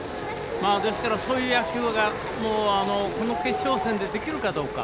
ですから、そういう野球がこの決勝戦でできるかどうか。